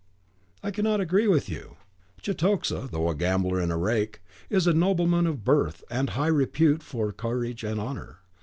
"I cannot agree with you. Cetoxa, though a gambler and a rake, is a nobleman of birth and high repute for courage and honour.